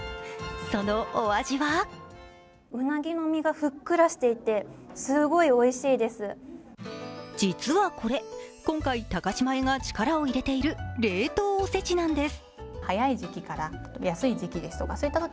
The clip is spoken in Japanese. そのお味は実はこれ、今回、高島屋が力を入れている冷凍おせちなんです。